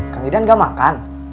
kan idan gak makan